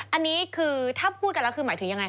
อันนี้คือถ้าพูดกันแล้วคือหมายถึงยังไงค